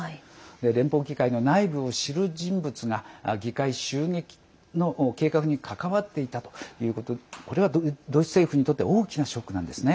連邦議会の内部を知る人物が議会襲撃の計画に関わっていたということこれはドイツ政府にとって大きなショックなんですね。